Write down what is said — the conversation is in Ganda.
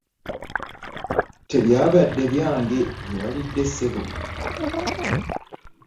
Tebyabadde byange bye walidde ssebo.